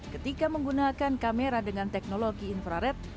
ketika menggunakan kamera dengan teknologi infrared